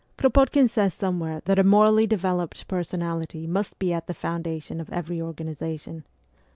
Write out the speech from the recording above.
Kropotkin says somewhere that a morally developed personality must be at the foundation of every organization.